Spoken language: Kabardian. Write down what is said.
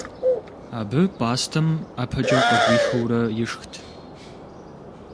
Абы пӀастэм ӀэпэкӀэ къыгуихыурэ ишхт.